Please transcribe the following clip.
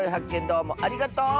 どうもありがとう！